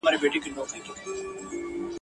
دا يې زېری دطغيان دی ..